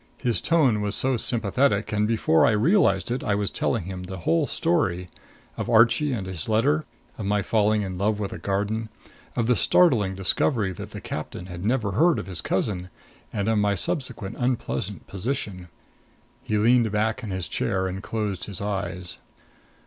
His tone was so sympathetic and before I realized it I was telling him the whole story of Archie and his letter; of my falling in love with a garden; of the startling discovery that the captain had never heard of his cousin; and of my subsequent unpleasant position. He leaned back in his chair and closed his eyes.